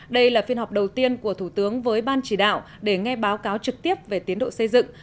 đây là phiên họp đầu tiên của thủ tướng với ban chỉ đạo để nghe báo cáo trực tiếp về tiến độ xây dựng